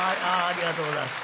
ありがとうございます。